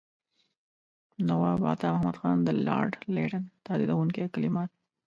نواب عطامحمد خان د لارډ لیټن تهدیدوونکي کلمات.